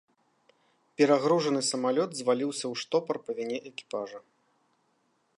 Перагружаны самалёт зваліўся ў штопар па віне экіпажа.